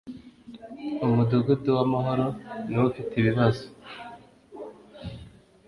Umudugudu wa Mahoro ni wo ufite ibibazo